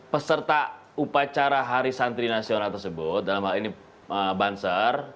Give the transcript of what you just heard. peserta upacara hari santri nasional tersebut dalam hal ini banser